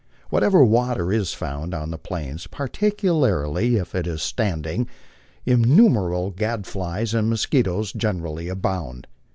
Wherever water is found on the Plains, particularly if it is standing, in numerable gadflies and mosquitoes generally abound.